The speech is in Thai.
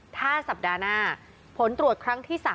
ถ้าสัปดาห์หน้าผลตรวจครั้งที่๓